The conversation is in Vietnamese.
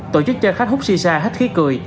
tổ chức cho khách hút xì xa hết khí cười